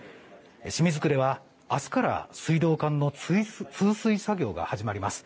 清水区では明日から水道管の通水作業が始まります。